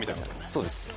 そうです。